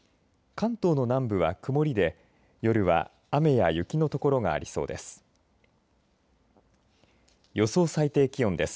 関東の南部は曇りで夜は雨や雪の所がありそうです。